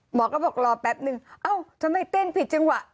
หมอก็บอกรอแป๊บนึงเอ้าทำไมเต้นผิดจังหวะ